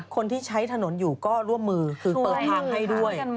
คนที่ใช้ถนนอยู่ก็ร่วมมือคือเปิดทางให้ด้วย